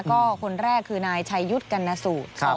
ก็คนแรกคือนายชัยยุทธ์กัณสูตร